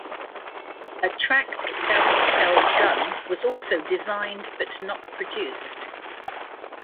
A tracked self-propelled gun was also designed but not produced.